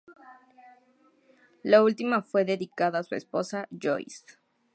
La última fue dedicada a su esposa, Joyce.